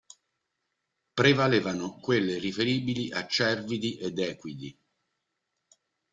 Prevalevano quelle riferibili a Cervidi ed Equidi.